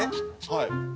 はい。